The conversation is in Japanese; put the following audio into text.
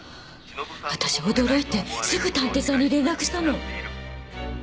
私驚いてすぐ探偵さんに連絡したの。